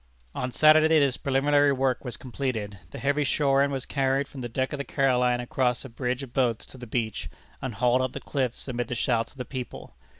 On Saturday this preliminary work was completed, the heavy shore end was carried from the deck of the Caroline across a bridge of boats to the beach, and hauled up the cliffs amid the shouts of the people.